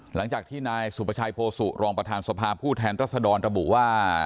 หลังจากที่นายสุประชัยโพสุรองประธานสภาผู้แทนรัศดรระบุว่า